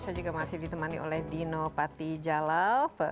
saya juga masih ditemani oleh dino patijalal